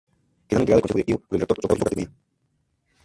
Quedando integrada el Consejo Directivo, por el Rector, Dr. Sócrates Medina.